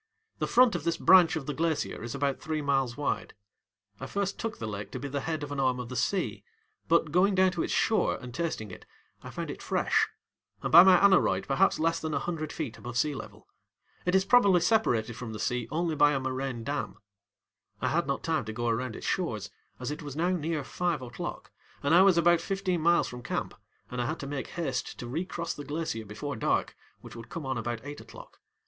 The front of this branch of the glacier is about three miles wide. I first took the lake to be the head of an arm of the sea, but, going down to its shore and tasting it, I found it fresh, and by my aneroid perhaps less than a hundred feet above sea level. It is probably separated from the sea only by a moraine dam. I had not time to go around its shores, as it was now near five oŌĆÖclock and I was about fifteen miles from camp, and I had to make haste to recross the glacier before dark, which would come on about eight oŌĆÖclock.